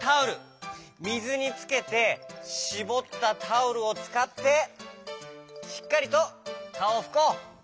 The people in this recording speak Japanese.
みずにつけてしぼったタオルをつかってしっかりとかおをふこう！